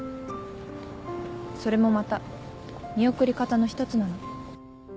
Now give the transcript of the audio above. それもまた見送り方の１つなの。